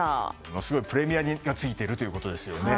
すごいプレミアがついているということですよね。